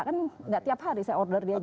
kan gak tiap hari saya order dia